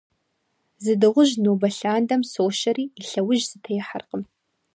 Зы дыгъужь нобэ лъандэм сощэри, и лъэужь сытехьэркъым.